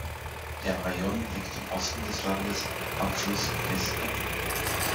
Der Rajon liegt im Osten des Landes am Fluss Dnister.